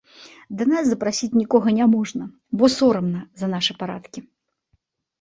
Да нас запрасіць нікога няможна, бо сорамна за нашы парадкі.